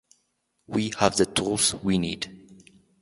We have the tools we need.